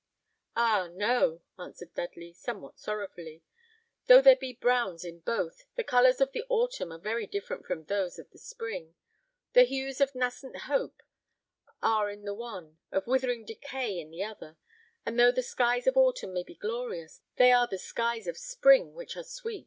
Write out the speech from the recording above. "Ah! no," answered Dudley, somewhat sorrowfully; "though there be browns in both, the colours of the autumn are very different from those of the spring; the hues of nascent hope are in the one, of withering decay in the other; and though the skies of autumn may be glorious, they are the skies of spring which are sweet."